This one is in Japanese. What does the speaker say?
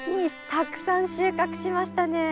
たくさん収穫しましたね。